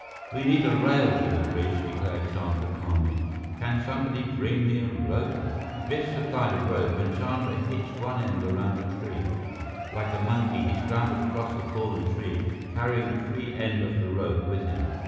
"We need a rail for the bridge," declared Chandra calmly. "Can somebody bring me a rope?" Biff supplied a rope, and Chandra hitched one end around a tree. Like a monkey, he scrambled across the fallen tree, carrying the free end of the rope with him.